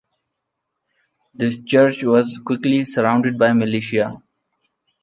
The church was quickly surrounded by militia.